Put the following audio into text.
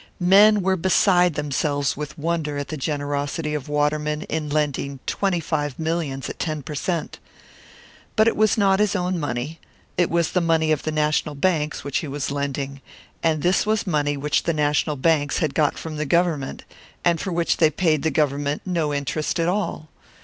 Men were beside themselves with wonder at the generosity of Waterman in lending twenty five millions at ten per cent. But it was not his own money it was the money of the national banks which he was lending; and this was money which the national banks had got from the Government, and for which they paid the Government no interest at all.